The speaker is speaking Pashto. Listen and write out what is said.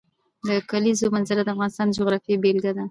د کلیزو منظره د افغانستان د جغرافیې بېلګه ده.